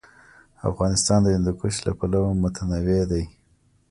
افغانستان د هندوکش له پلوه متنوع دی.